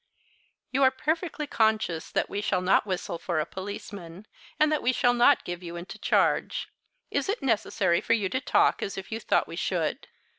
"You are perfectly conscious that we shall not whistle for a policeman, and that we shall not give you into charge. Is it necessary for you to talk as if you thought we should?"